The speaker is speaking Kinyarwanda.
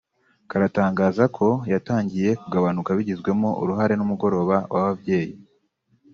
karatangaza ko yatangiye kugabanuka bigizwemo uruhare n’umugoroba w’ababyeyi